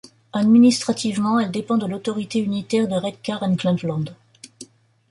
Administrativement, elle dépend de l'autorité unitaire de Redcar and Cleveland.